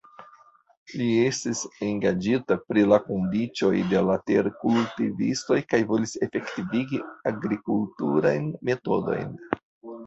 Li estis engaĝita pri la kondiĉoj de la terkultivistoj kaj volis efektivigi agrikulturajn metodojn.